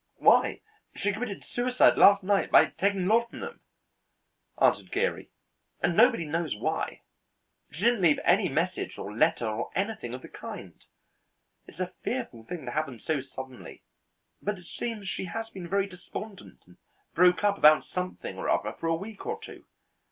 "Why, she committed suicide last night by taking laudanum," answered Geary, "and nobody knows why. She didn't leave any message or letter or anything of the kind. It's a fearful thing to happen so suddenly, but it seems she has been very despondent and broke up about something or other for a week or two.